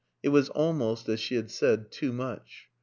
It was almost, as she had said, too much.